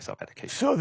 そうです。